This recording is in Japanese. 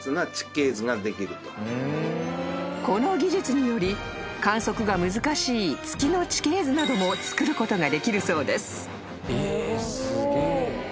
［この技術により観測が難しい月の地形図なども作ることができるそうです］